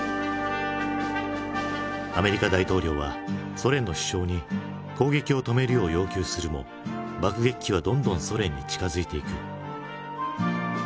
アメリカ大統領はソ連の首相に攻撃を止めるよう要求するも爆撃機はどんどんソ連に近づいていく。